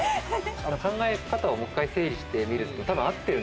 考え方をもう一回整理してみると多分合ってるんですよね。